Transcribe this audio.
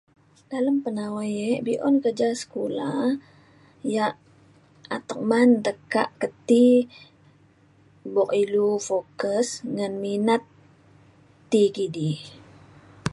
dalem penawai e be’un pe ja sekula yak atek maan tekak keti buk ilu focus ngan minat ti kidi